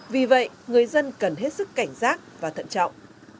vì vậy người dân cần hết sức cảnh giác và thận trọng